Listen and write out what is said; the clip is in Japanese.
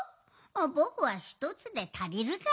ぼくはひとつでたりるから。